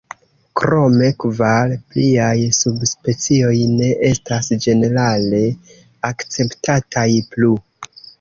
Krome kvar pliaj subspecioj ne estas ĝenerale akceptataj plu.